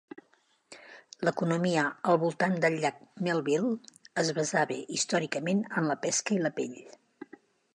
L'economia al voltant del llac Melville es basava històricament en la pesca i la pell.